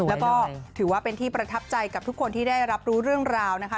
แล้วก็ถือว่าเป็นที่ประทับใจกับทุกคนที่ได้รับรู้เรื่องราวนะคะ